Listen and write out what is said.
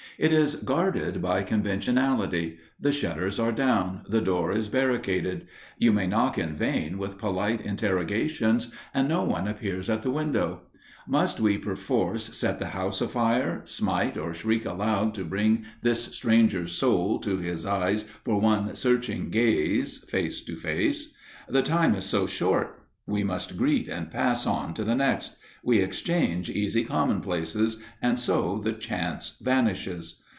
It is guarded by conventionality; the shutters are down, the door is barricaded; you may knock in vain with polite interrogations, and no one appears at the window. Must we perforce set the house afire, smite or shriek aloud to bring this stranger's soul to his eyes for one searching gaze, face to face? The time is so short we must greet, and pass on to the next; we exchange easy commonplaces, and so the chance vanishes.